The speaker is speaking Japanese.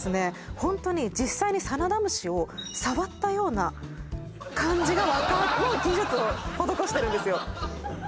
ホントに実際にサナダムシを触ったような感じが分かる技術を施してるんですよ